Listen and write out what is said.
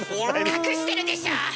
隠してるでしょ！